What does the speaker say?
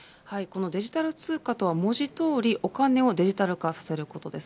デジタル通貨とは文字どおりお金をデジタル化させることです。